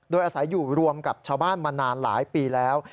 โดยอาศัยอยู่รวมกับชาวบ้านมานานหลายปีแล้ว